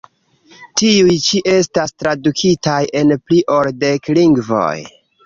Tiuj ĉi estas tradukitaj en pli ol dek lingvoj.